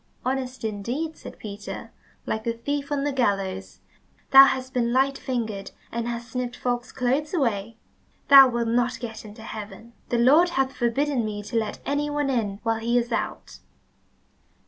"Honest indeed," said Peter, "like the thief on the gallows! Thou hast been light fingered and hast snipped folks' clothes away. Thou wilt not get into heaven. The Lord hath forbidden me to let any one in while he is out."